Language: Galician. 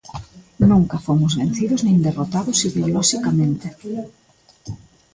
Nunca fomos vencidos nin derrotados ideoloxicamente.